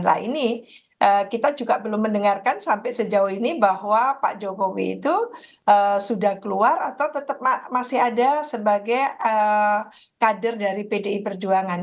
nah ini kita juga belum mendengarkan sampai sejauh ini bahwa pak jokowi itu sudah keluar atau tetap masih ada sebagai kader dari pdi perjuangan